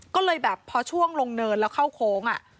ก็เลยแบบพอช่วงลงเนินแล้วเข้าโค้ง